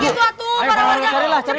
cepet cari cari sekarang cari